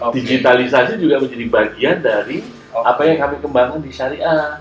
digitalisasi juga menjadi bagian dari apa yang kami kembangkan di syariah